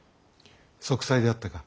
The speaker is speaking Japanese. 息災であったか。